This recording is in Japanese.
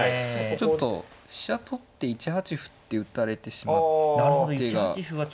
ちょっと飛車取って１八歩って打たれてしまう手が気になってですね。